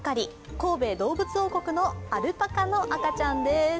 神戸どうぶつ王国のアルパカの赤ちゃんです。